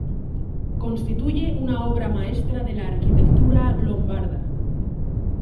Constituye una obra maestra de la arquitectura lombarda.